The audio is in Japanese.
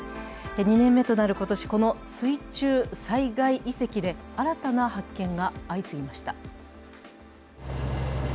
２年目となる今年、この水中災害遺跡で新たな発見が相次ぎました。